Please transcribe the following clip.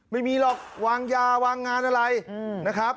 ไม่มีหรอกวางยาวางงานอะไรนะครับ